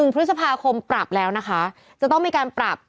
พฤษภาคมปรับแล้วนะคะจะต้องมีการปรับ